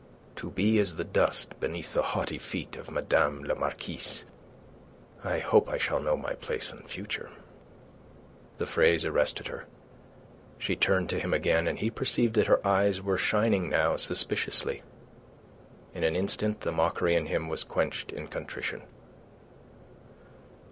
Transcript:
"To be as the dust beneath the haughty feet of Madame la Marquise. I hope I shall know my place in future." The phrase arrested her. She turned to him again, and he perceived that her eyes were shining now suspiciously. In an instant the mockery in him was quenched in contrition.